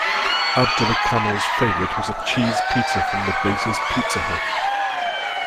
Abdullah Kamel's favorite was a cheese pizza from the base's Pizza Hut.